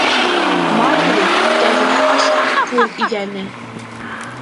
— Маугли тәҙрә аша ҡул иҙәне.